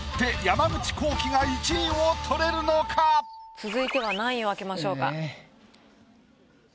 続いては何位を開けましょうか？